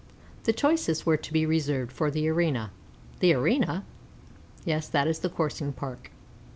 The choicest were to be reserved for the arena. The arena? Yes, that is the Coursing Park.